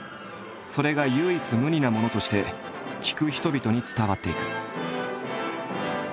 それが唯一無二なものとして聴く人々に伝わっていく。